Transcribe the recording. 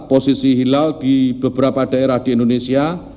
posisi hilal di beberapa daerah di indonesia